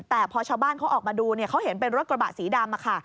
แต่พอชาวบ้านเขาออกมาดูเนี่ยเขาเห็นเป็นรถกระบะสีดำค่ะ